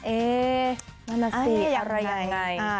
เอ๊ะน่าสิอะไรอย่างนั้น